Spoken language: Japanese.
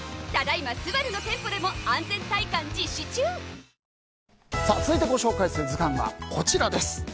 「ビオレ」続いてご紹介する図鑑はこちらです。